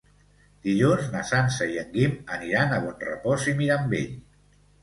Dilluns na Sança i en Guim aniran a Bonrepòs i Mirambell.